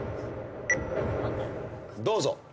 どうぞ。